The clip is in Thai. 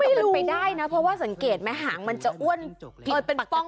ไม่รู้ไม่ได้นะเพราะว่าสังเกตไหมหางมันจะอ้วนป่อง